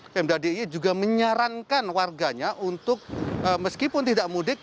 pemda diy juga menyarankan warganya untuk meskipun tidak mudik